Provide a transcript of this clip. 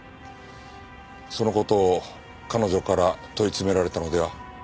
その事を彼女から問い詰められたのでは？